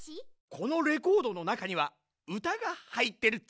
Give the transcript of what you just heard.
このレコードのなかにはうたがはいってるっち。